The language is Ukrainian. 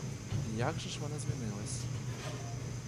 Як же ж вона змінилась!